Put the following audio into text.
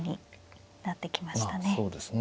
そうですね。